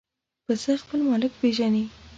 پسه خپل مالک پېژني.